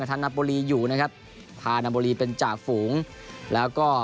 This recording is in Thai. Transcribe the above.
กับทางนาโปรลีอยู่นะครับทานาโปรลีเป็นจากฝูงแล้วก็